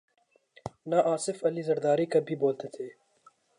نہ آصف علی زرداری کبھی بولتے تھے۔